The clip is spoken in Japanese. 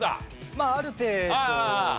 まあある程度は。